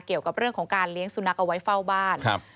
เกี่ยวกับเรื่องของการเลี้ยงสุนัขเอาไว้เฝ้าบ้านครับ